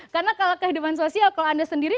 karena kalau kehidupan sosial kalau anda sendiri